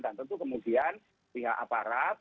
dan tentu kemudian pihak aparat